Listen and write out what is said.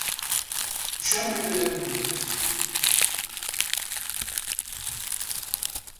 Jamais de la vie!